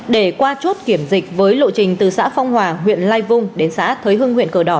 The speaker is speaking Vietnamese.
để qua chốt kiểm dịch với lộ trình từ xã phong hòa huyện lai vung đến xã thới hương huyện cờ đỏ